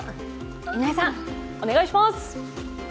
井上さん、お願いします！